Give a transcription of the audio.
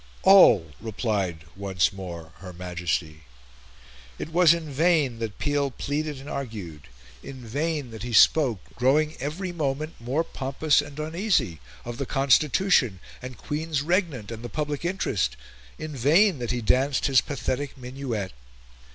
"All," replied once more her Majesty. It was in vain that Peel pleaded and argued; in vain that he spoke, growing every moment more pompous and uneasy, of the constitution, and Queens Regnant, and the public interest; in vain that he danced his pathetic minuet.